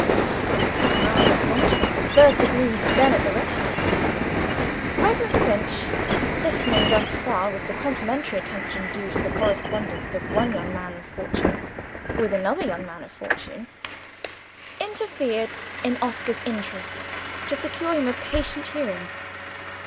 Oscar looked in mild astonishment, first at me then at the rector. Reverend Finch listening thus far with the complimentary attention due to the correspondence of one young man of fortune with another young man of fortune interfered in Oscar's interests, to secure him a patient hearing.